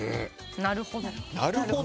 なるほど。